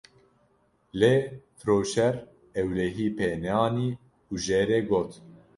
lê firoşer ewlehî pê neanî û jê re got